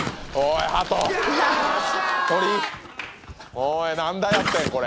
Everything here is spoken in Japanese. おい何台やってん？これ。